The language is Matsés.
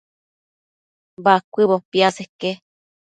Bacuëbo piaseque